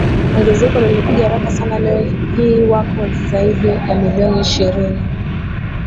Ongezeko lilikuja haraka sanaLeo hii wako zaidi ya milioni ishirini